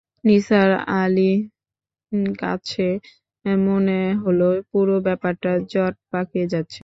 নিসার আলির কাছে মনে হল পুরো ব্যাপারটা জট পাকিয়ে যাচ্ছে।